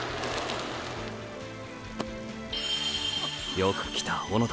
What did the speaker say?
よく来た小野田。